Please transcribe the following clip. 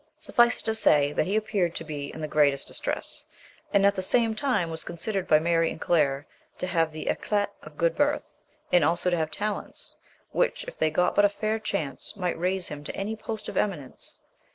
Suffice it to say, that he ap peared to be in the greatest distress, and at the same time was considered by Mary and Claire to have the eclat of "good birth," and also to have talents, which, if they got but a fair chance, might raise him to any post of eminence.